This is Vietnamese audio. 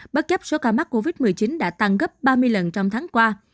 bất chấp số ca mắc covid một mươi chín đã tăng gấp ba mươi lần trong tháng qua